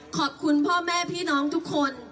ขอบคุณพ่อแม่พี่น้องทุกคน